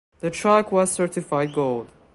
The track was certified gold.